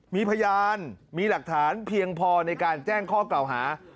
มีพยานมีหลักฐานเพียงพอในการแจ้งข้อกล่าวหา